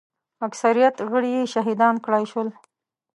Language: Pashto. اکثریت غړي یې شهیدان کړای شول.